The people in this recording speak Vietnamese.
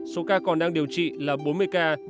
số ca còn đang điều trị là bốn mươi ca